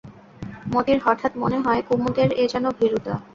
মতির হঠাৎ মনে হয় কুমুদের এ যেন ভীরুতা।